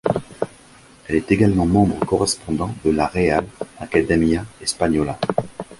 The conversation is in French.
Elle est également membre correspondant de la Real Academia Española.